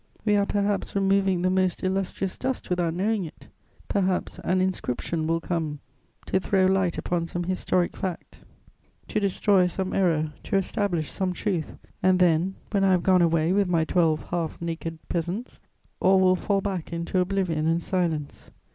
We are perhaps removing the most illustrious dust without knowing it. Perhaps an inscription will come to throw light upon some historic fact, to destroy some error, to establish some truth. And then, when I have gone away with my twelve half naked peasants, all will fall back into oblivion and silence.